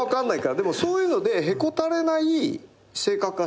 でもそういうのでへこたれない性格はしてたんです。